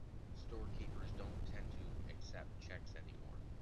Storekeepers don’t tend to accept checks anymore.